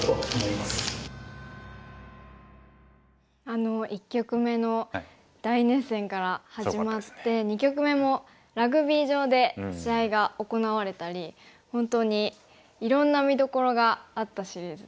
あの１局目の大熱戦から始まって２局目もラグビー場で試合が行われたり本当にいろんな見どころがあったシリーズですよね。